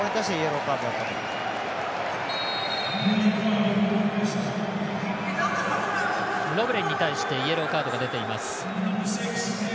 ロブレンに対してイエローカードが出ています。